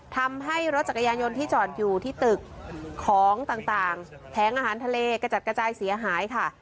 ทำให้รถจักรยานยนต์ที่จอดอยู่ที่ตึกของต่างแผงอาหารทะเลกระจัดกระจายเสียหายค่ะ